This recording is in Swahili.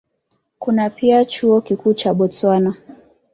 Kuna pia Chuo Kikuu cha Botswana.